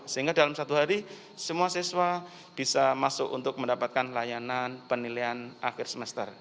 sehingga dalam satu hari semua siswa bisa masuk untuk mendapatkan layanan penilaian akhir semester